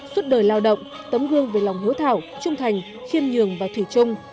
suốt đời lao động tấm gương về lòng hiếu thảo trung thành khiêm nhường và thủy trung